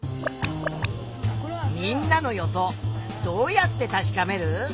みんなの予想どうやって確かめる？